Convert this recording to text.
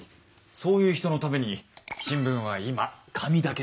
そういう人のために新聞は今紙だけじゃないんです。